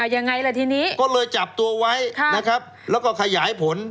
ยังไงล่ะทีนี้ก็เลยจับตัวไว้นะครับแล้วก็ขยายผล